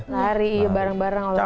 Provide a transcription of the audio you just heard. lari lari iya bareng bareng olahraga